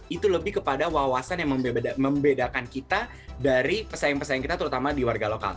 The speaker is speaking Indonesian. itu lebih kepada wawasan yang membedakan kita dari pesaing pesaing kita terutama di warga lokal